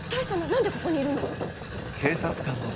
何でここにいるの？